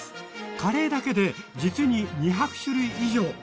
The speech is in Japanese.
カレーだけで実に２００種類以上。